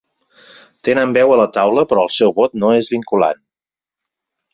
Tenen veu a la taula però el seu vot no és vinculant.